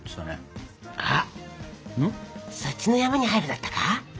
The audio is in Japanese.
あっそっちの「ヤマに入る」だったか？